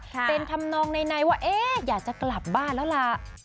เป็นทำนองในว่าเอ๊ะอยากจะกลับบ้านแล้วล่ะ